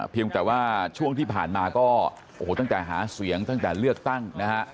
เพียงแต่ว่าช่วงที่ผ่านมาก็ต้องจะหาเสียงต้องจะเลือกตั้งนะฮะ